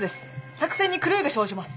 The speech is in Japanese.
作戦に狂いが生じます。